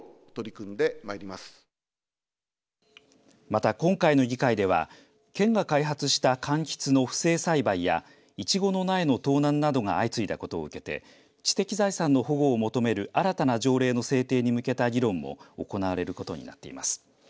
また、今回の議会では県が開発したかんきつの不正栽培やイチゴの苗の盗難などが相次いだことを受けて知的財産の保護を求める新たな条例の制定に向けた議論も行われることになっています。